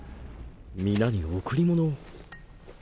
皆に贈り物を？